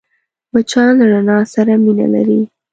مچان له رڼا سره مینه لري